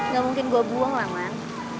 ga mungkin gua buang lah man